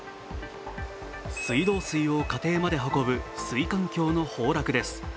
水道水を家庭まで運ぶ水管橋の崩落です。